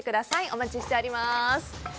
お待ちしております。